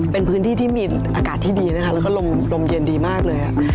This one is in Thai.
เป็นพื้นที่ที่มีอากาศที่ดีนะคะแล้วก็ลมเย็นดีมากเลย